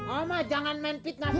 oma jangan main fitnah